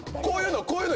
こういうの。